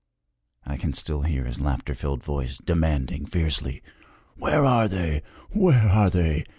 I can still hear his laughter filled voice demanding fiercely, 'Where are they? Where are they?'